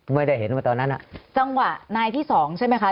ไม่ได้เห็นว่าตอนนั้นอ่ะจังหวะนายที่สองใช่ไหมคะ